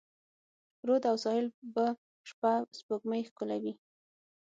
رود او ساحل به شپه، سپوږمۍ ښکلوي